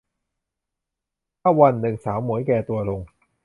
ถ้าวันนึงสาวหมวยแก่ตัวลง